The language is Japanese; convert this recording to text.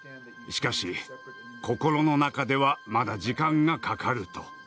しかし心の中ではまだ時間がかかる」と。